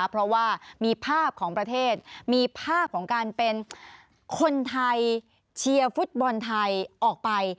เพราะว่ามีภาพของประเทศมีภาพของการเป็นคนไทยเชียร์ฟุตบอลไทยออกไป